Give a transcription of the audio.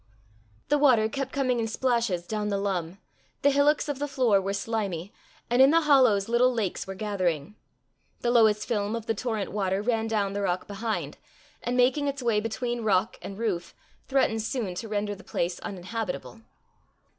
The water kept coming in splashes down the lum, the hillocks of the floor were slimy, and in the hollows little lakes were gathering: the lowest film of the torrent water ran down the rock behind, and making its way between rock and roof, threatened soon to render the place uninhabitable.